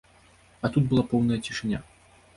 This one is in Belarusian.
А тут была поўная цішыня.